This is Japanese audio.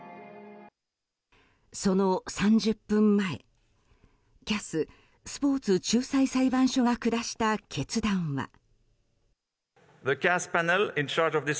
その３０分前ＣＡＳ・スポーツ仲裁裁判所が下した決断は。